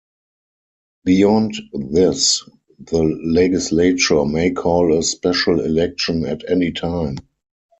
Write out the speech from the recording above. Beyond this, the legislature may call a special election at any time.